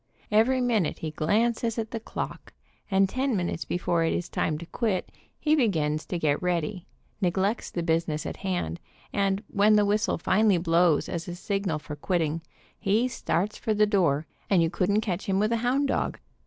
Every minute he glances at the clock, and ten minutes before it is time to quit he begins to get ready, neglects the business in hand, and when the whistle finally blows as a signal for quitting, he 'starts for the door, and you couldn't catch him with a hound dog.